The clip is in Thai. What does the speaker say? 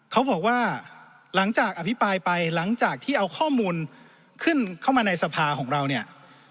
เขาบอกว่าหลังจากอภิปรายไปหลังจากที่เอาข้อมูลขึ้นเข้ามาในสภาของเราเนี่ย